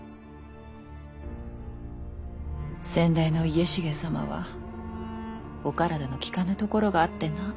先代の家重様はお体のきかぬところがあってな。